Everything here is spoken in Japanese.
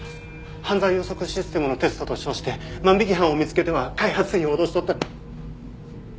犯罪予測システムのテストと称して万引き犯を見つけては開発費を脅し取ったり。